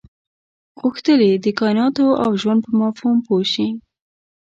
غوښتل یې د کایناتو او ژوند په مفهوم پوه شي.